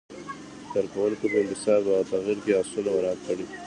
د کارکوونکو په انتصاب او تغیر کې اصول مراعت کړئ.